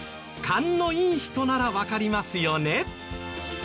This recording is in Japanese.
勘のいい人ならわかりますよね？